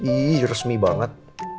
ih resmi banget